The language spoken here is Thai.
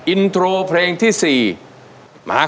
อินโทรเพลงที่สี่มาครับ